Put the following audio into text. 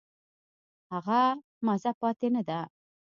هغه مزه پاتې نه ده.